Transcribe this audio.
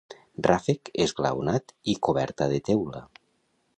Ràfec esglaonat i coberta de teula.